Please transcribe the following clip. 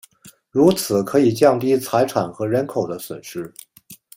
如此可以降低财产和人口的损失。